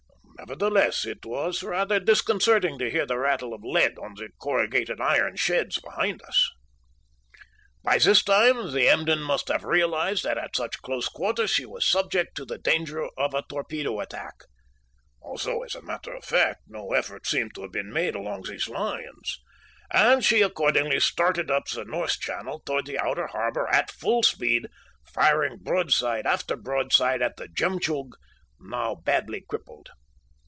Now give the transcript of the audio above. Nevertheless, it was rather disconcerting to hear the rattle of lead on the corrugated iron sheds behind us. "By this time the Emden must have realized that at such close quarters she was subject to the danger of a torpedo attack, (although as a matter of fact no effort seemed to have been made along these lines,) and she accordingly started up the north channel toward the outer harbor at full speed, firing broadside after broadside at the Jemtchug, now badly crippled.